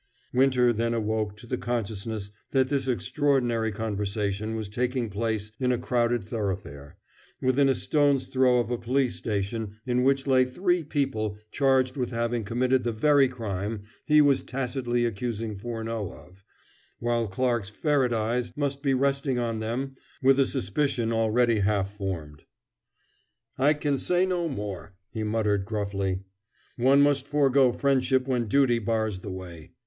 Winter then awoke to the consciousness that this extraordinary conversation was taking place in a crowded thoroughfare, within a stone's throw of a police station in which lay three people charged with having committed the very crime he was tacitly accusing Furneaux of, while Clarke's ferret eyes must be resting on them with a suspicion already half formed. "I can say no more," he muttered gruffly. "One must forego friendship when duty bars the way.